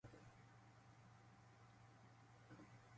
桃から大きな赤ん坊が出てきた